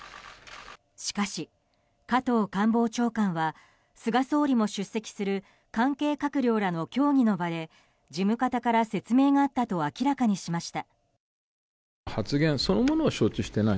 しかし、加藤官房長官は菅総理も出席する関係閣僚らの協議の場で事務方から説明があったと明らかにしました。